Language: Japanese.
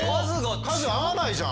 数合わないじゃん！